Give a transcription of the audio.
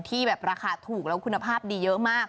ที่แบบราคาถูกแล้วคุณภาพดีเยอะมาก